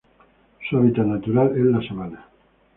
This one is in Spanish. Su hábitat natural es la sabana.